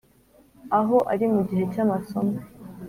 aho ari mu gihe cy’amasomo.